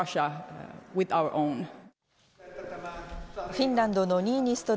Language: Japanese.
フィンランドのニーニスト